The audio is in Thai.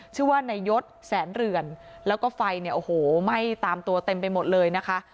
ชื่อว่านายศแสนเรือนแล้วก็ไฟเนี่ยโอ้โหไหม้ตามตัวเต็มไปหมดเลยนะคะ